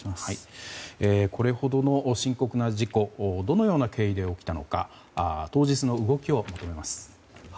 これほどの深刻な事故どのような経緯で起きたのか当日の動きをまとめます。